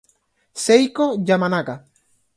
Seiko Yamanaka